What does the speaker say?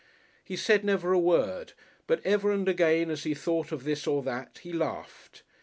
He said never a word, but ever and again as he thought of this or that, he laughed.